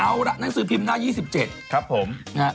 เอาล่ะหนังสือพิมพ์หน้า๒๗ครับผมนะฮะ